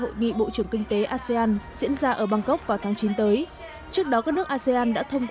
hội nghị bộ trưởng kinh tế asean diễn ra ở bangkok vào tháng chín tới trước đó các nước asean đã thông